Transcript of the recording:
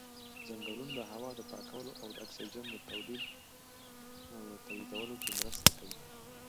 ځنګلونه د هوا د پاکولو او د اکسیجن تولیدولو کې مرسته کوي.